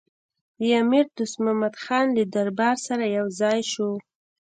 د امیر دوست محمدخان له دربار سره یو ځای شو.